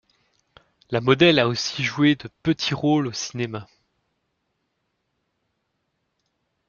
La modèle a aussi joué de petits rôles au cinéma.